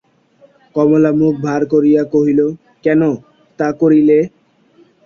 কমলা মুখ ভার করিয়া কহিল, কেন তা করিলে?